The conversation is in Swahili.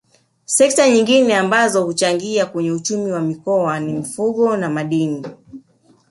Sekta nyingine ambazo huchangia kwenye uchumi wa Mkoa ni za Mifugo na Madini